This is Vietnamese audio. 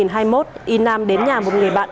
năm hai nghìn hai mươi một y nam đến nhà một người bạn